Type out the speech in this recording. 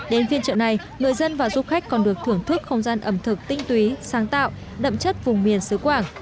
đến phiên trợ này người dân và du khách còn được thưởng thức không gian ẩm thực tinh túy sáng tạo đậm chất vùng miền xứ quảng